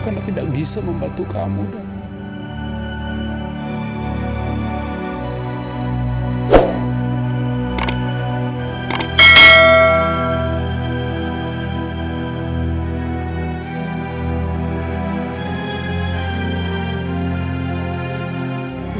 karena tidak bisa membantu kamu dah